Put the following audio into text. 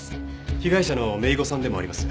被害者の姪子さんでもあります。